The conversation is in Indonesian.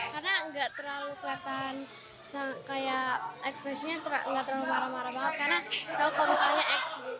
karena nggak terlalu kelihatan kayak ekspresinya nggak terlalu marah marah banget karena tau kok misalnya eh